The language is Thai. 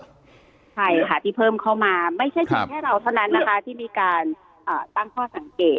ใช่ค่ะที่เพิ่มเข้ามาไม่ใช่เพียงแค่เราเท่านั้นนะคะที่มีการตั้งข้อสังเกต